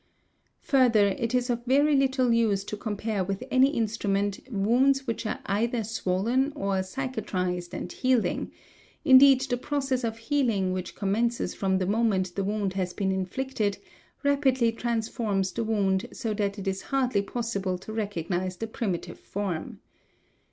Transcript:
Further, it is of very little use to compare with any instrument wounds which are either swollen or cicatrised and healing; indeed the process of healing which commences from the moment the wound has been inflicted, rapidly transforms the wound so that it is hardly possible to recognise the primitive form.